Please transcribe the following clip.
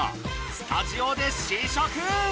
スタジオで試食！